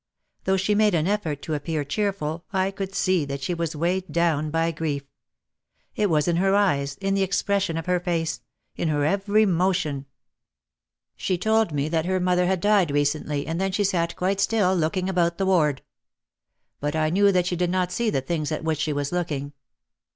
Though she made an effort to appear cheerful I could see that she was weighed down by grief. It was in her eyes, in the ex pression of her face, in her every motion, She told me 240 OUT OF THE SHADOW that her mother had died recently and then she sat quite still looking about the ward. But I knew that she did not see the things at which she was looking.